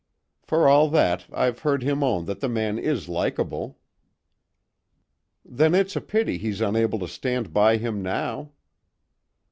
For all that I've heard him own that the man is likeable." "Then it's a pity he's unable to stand by him now."